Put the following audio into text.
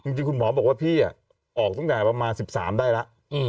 จริงคุณหมอบอกว่าพี่ออกตั้งแต่ประมาณ๑๓ได้แล้ว